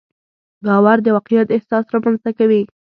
باور د واقعیت احساس رامنځته کوي.